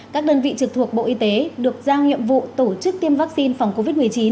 các đơn vị trực thuộc bộ y tế được giao nhiệm vụ tổ chức tiêm vaccine phòng covid một mươi chín